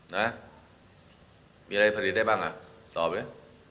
นะมีอะไรผลิตได้บ้างอ่ะตอบเลย